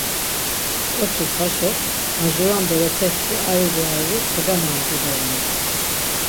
Ǩoçik haşo majuran berepesti ayri ayri kogamandu doren.